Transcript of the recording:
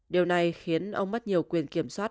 điều này khiến ông mất nhiều quyền kiểm soát